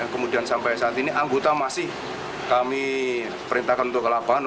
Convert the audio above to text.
kemudian sampai saat ini anggota masih kami perintahkan untuk ke lapangan